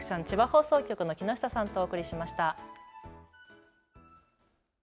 ちかさとコレクション、千葉放送局の木下さんとお伝えしました。